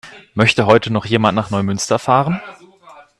Möchte heute noch jemand nach Neumünster fahren?